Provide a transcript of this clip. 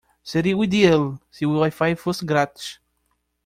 Seria ideal se o WiFi fosse grátis.